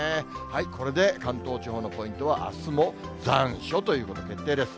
これで関東地方のポイントはあすも残暑ということ決定です。